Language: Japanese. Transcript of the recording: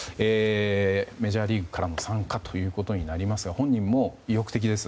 メジャーリーグからも参加ということになりますが、本人も意欲的です。